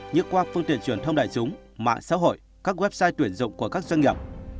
như qua phương tiện truyền thông đại chúng mạng xã hội các website tuyển dụng của các doanh nghiệp